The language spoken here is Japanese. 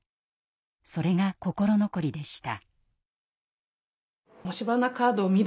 それが心残りでした。